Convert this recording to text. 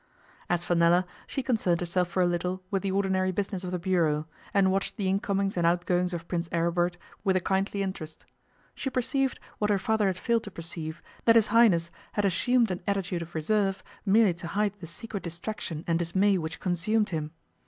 As for Nella, she concerned herself for a little with the ordinary business of the bureau, and watched the incomings and outgoings of Prince Aribert with a kindly interest. She perceived, what her father had failed to perceive, that His Highness had assumed an attitude of reserve merely to hide the secret distraction and dismay which consumed him.